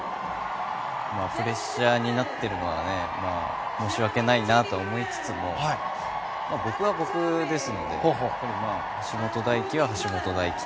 プレッシャーになっているのは申し訳ないなとは思いつつも僕は僕ですので橋本大輝は橋本大輝。